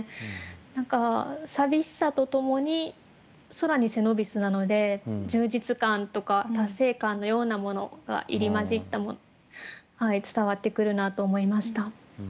何か寂しさとともに「空に背伸びす」なので充実感とか達成感のようなものが入り交じった伝わってくるなと思いました。